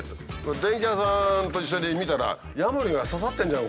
電気屋さんと一緒に見たらヤモリが刺さってるじゃん